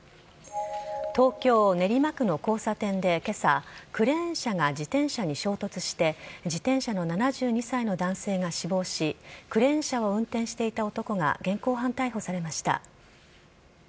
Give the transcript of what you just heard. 東京・練馬区の交差点でけさ、クレーン車が自転車に衝突して、自転車の７２歳の男性が死亡し、クレーン車を運転していた男が現行犯逮捕されました。